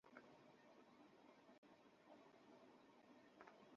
অথচ বিদ্যালয়ের শিক্ষার্থীদের কাছ থেকেও বিদ্যুতের বিল বাবদ টাকা নেওয়া হয়।